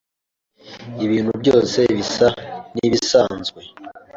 Ibintu byose bisa nibisanzwe.